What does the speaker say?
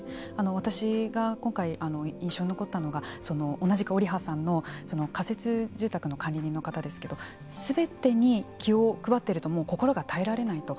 私が今回印象に残ったのがオリハさんという仮設住宅の管理人の方ですけどすべてに気を配っていると心が耐えられないと。